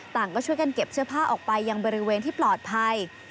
ก็ช่วยกันเก็บเสื้อผ้าออกไปยังบริเวณที่ปลอดภัย